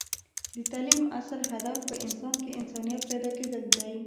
د تعلیم اصل هدف په انسان کې انسانیت پیدا کیدل دی